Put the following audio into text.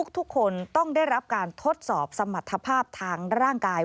ทุกคนต้องได้รับการทดสอบสมรรถภาพทางร่างกาย